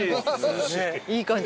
いい感じ。